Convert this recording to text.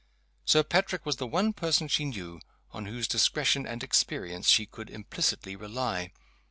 Sir Patrick was the one person she knew on whose discretion and experience she could implicitly rely.